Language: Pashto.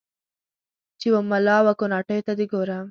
چې و مـــلا و کوناټیــــو ته دې ګورم